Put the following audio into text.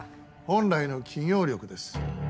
本来の企業力です